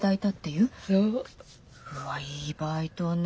うわっいいバイトね。